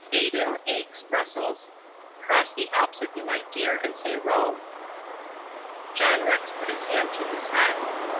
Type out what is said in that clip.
Baden, Aix, Brussels? Cross the Alps, if you like, dear, and say Rome." John Rex put his hand to his head.